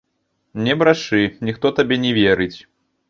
Не брашы, ніхто табе не верыць!